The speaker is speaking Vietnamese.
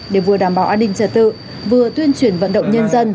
để vừa đảm bảo an ninh trật tự vừa tuyên truyền vận động nhân dân